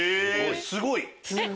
すごい？